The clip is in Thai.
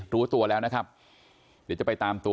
รู้ตัวแล้วนะครับเดี๋ยวจะไปตามตัว